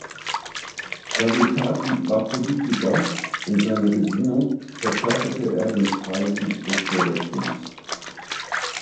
Salutati war Politiker, in seiner Gesinnung verkörperte er den Freisinn des Bürgertums.